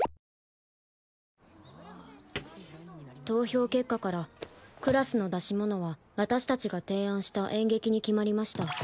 投票結果からクラスの出し物は私たちが提案した演劇に決まりました。